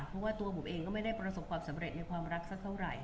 เพราะว่าตัวบุ๋มเองก็ไม่ได้ประสบความสำเร็จในความรักสักเท่าไหร่